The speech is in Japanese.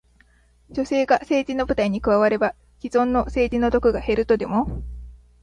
女性が政治の舞台に加われば、既存の政治の毒が減るとでも？